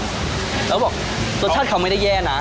แล้วเขาบอกสนชัยเขาไม่ได้แย่นะ